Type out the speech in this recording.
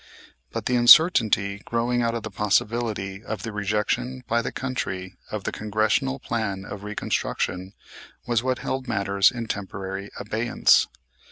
But the uncertainty growing out of the possibility of the rejection by the country of the Congressional Plan of Reconstruction was what held matters in temporary abeyance.